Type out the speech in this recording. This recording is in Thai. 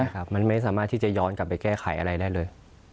ใช่ครับมันไม่สามารถที่จะย้อนกลับไปแก้ไขอะไรได้เลย